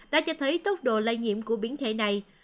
đã cho thấy tốc độ lây nhiễm của biến thể này